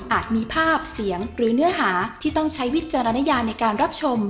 มีภาพเสียงหรือเนื้อหาที่ต้องใช้วิจารณญาในการรับชม